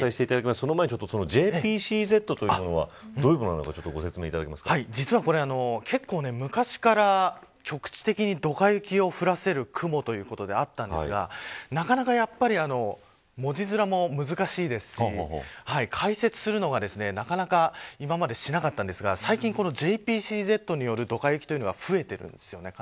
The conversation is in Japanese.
その前に、ＪＰＣＺというのはどういうものなのか実は昔から局地的にドカ雪を降らせる雲ということで、あったんですがなかなか文字面も難しいですし解説するのが、なかなか今までしなかったんですが最近、このＪＰＣＺによるドカ雪が増えています。